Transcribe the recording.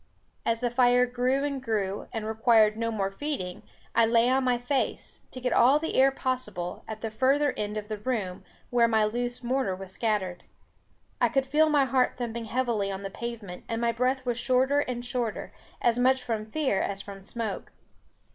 As the fire grew and grew, and required no more feeding, I lay on my face, to get all the air possible, at the further end of the room, where my loose mortar was scattered. I could feel my heart thumping heavily on the pavement, and my breath was shorter and shorter, as much from fear as from smoke.